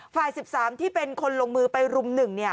ฝ่าย๑๓ที่เป็นคนลงมือไปรุม๑เนี่ย